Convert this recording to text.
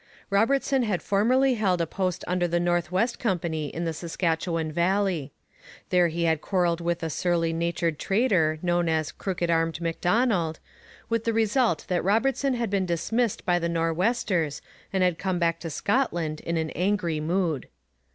Robertson had formerly held a post under the North West Company in the Saskatchewan valley. There he had quarrelled with a surly natured trader known as Crooked armed Macdonald, with the result that Robertson had been dismissed by the Nor'westers and had come back to Scotland in an angry mood.